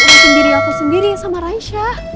nungguin diri aku sendiri sama raisya